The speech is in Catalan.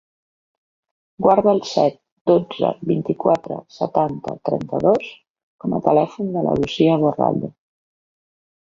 Guarda el set, dotze, vint-i-quatre, setanta, trenta-dos com a telèfon de la Lucía Borrallo.